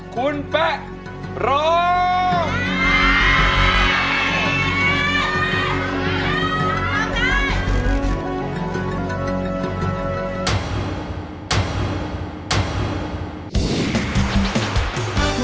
คุณแป๊ะร้อง